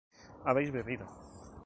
habéis bebido